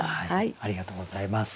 ありがとうございます。